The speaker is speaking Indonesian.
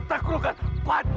sampai jumpa tuhan